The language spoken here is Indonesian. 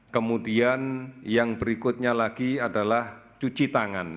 kemudian yang berikutnya lagi adalah cuci tangan